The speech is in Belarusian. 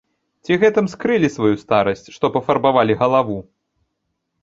Ці гэтым скрылі сваю старасць, што пафарбавалі галаву?